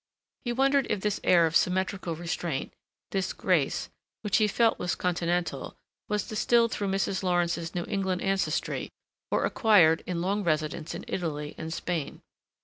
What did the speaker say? He wondered if this air of symmetrical restraint, this grace, which he felt was continental, was distilled through Mrs. Lawrence's New England ancestry or acquired in long residence in Italy and Spain.